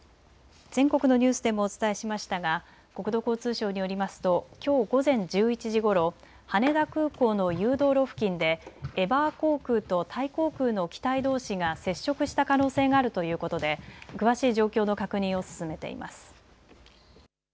全国のニュースでもお伝えしましたが国土交通省によりますときょう午前１１時ごろ、羽田空港の誘導路付近でエバー航空とタイ航空の機体どうしが接触した可能性があるということで詳しい状況の確認を進めています。